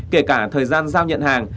kể cả thời gian giao nhận hàng